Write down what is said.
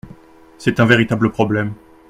C’est un véritable problème.